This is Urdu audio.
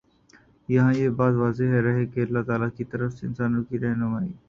یہاں یہ بات واضح رہے کہ اللہ تعالیٰ کی طرف سے انسانوں کی رہنمائی